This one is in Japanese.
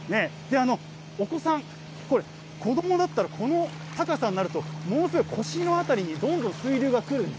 お子さん、これ、子どもだったら、この高さになると、ものすごい腰のあたりにどんどん水流が来る。